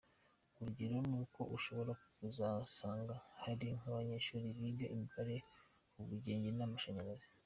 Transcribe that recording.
Urugero ni uko ushobora kuzasanga hari nk’abanyeshuri biga imibare, ubugenge n’amashanyarazi”.